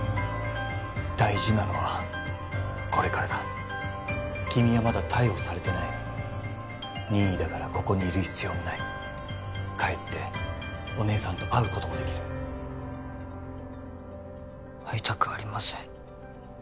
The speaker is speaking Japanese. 大事なのはこれからだ君はまだ逮捕されてない任意だからここにいる必要もない帰ってお姉さんと会うこともできる会いたくありません